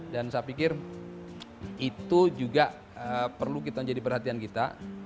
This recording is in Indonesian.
dan saya pikir itu juga perlu kita jadi perhatian kita